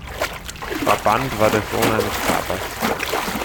Brabant war der Sohn eines Färbers.